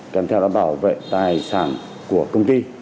kèm theo đó bảo vệ tài sản của công ty